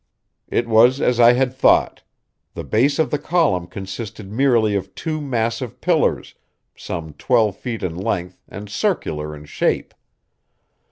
It was as I had thought. The base of the column consisted merely of two massive pillars, some twelve feet in length and circular in shape.